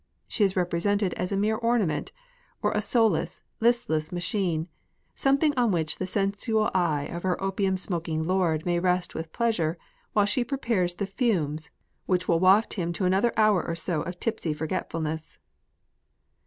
She is represented as a mere ornament, or a soulless, listless machine — something on which the sensual eye of her opium smoking lord may rest with pleasure while she prepares the fumes which will waft him to another hour or so of tipsy forgetfulness.